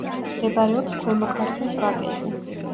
მდებარეობს ქვემო ქართლის ვაკეზე.